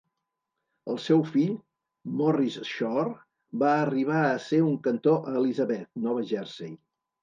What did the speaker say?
El seu fill, Morris Schorr, va arribar a ser un cantor a Elizabeth, Nova Jersey.